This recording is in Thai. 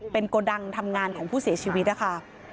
เป็นโกดังทำงานของผู้เสียชีวิตนะคะ